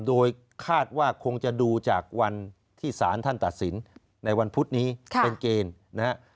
โดยคาดว่าคงจะดูจากวันที่สารท่านตัดสินในวันพุธนี้เป็นเกณฑ์นะฮะ